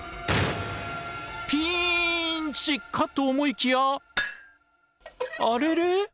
ピンチかと思いきやあれれ？